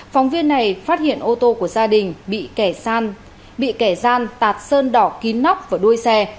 phóng viên này phát hiện ô tô của gia đình bị kẻ gian tạt sơn đỏ kín nóc vào đuôi xe